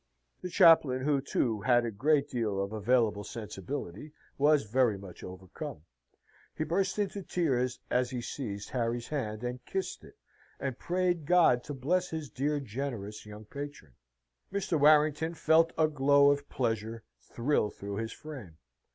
The chaplain, who, too, had a great deal of available sensibility, was very much overcome; he burst into tears as he seized Harry's hand, and kissed it, and prayed God to bless his dear, generous, young patron. Mr. Warrington felt a glow of pleasure thrill through his frame.